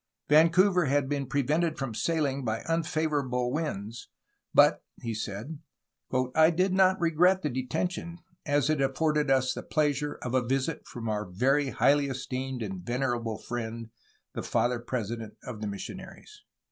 Vancouver had been prevented from sailing by unfavorable winds, but, he said, "I did not regret the detention, as it afforded us the pleasure of a visit from our very highly esteemed and venerable friend the Father president of the missionaries."